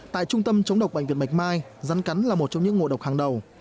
tại trung tâm chống độc bệnh viện bạch mai rắn cắn là một trong những ngộ độc hàng đầu